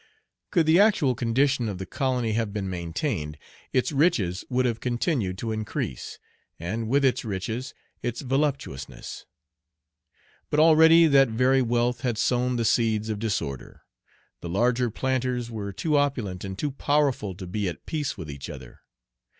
Could the actual condition of the colony have been maintained, its riches would have continued to increase, and, with its riches, its voluptuousness. But already that very wealth had sown the seeds of disorder. The larger planters were too opulent and too powerful to be at peace with each other.